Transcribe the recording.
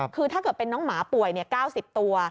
คือถ้าเกิดเป็นน้องหมาป่วยเนี้ยเก้าสิบตัว